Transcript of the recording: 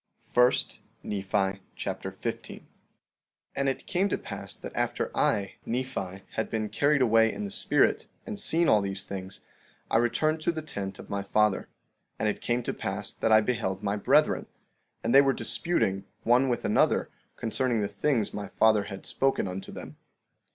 1 Nephi Chapter 15 15:1 And it came to pass that after I, Nephi, had been carried away in the spirit, and seen all these things, I returned to the tent of my father. 15:2 And it came to pass that I beheld my brethren, and they were disputing one with another concerning the things my father had spoken unto them.